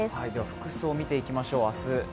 服装を見ていきましょう、明日。